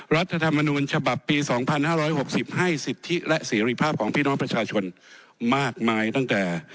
รัฐธรรมนูญฉบับปี๒๕๖๐ให้สิทธิและเสรีภาพของพี่น้องประชาชนมากมายตั้งแต่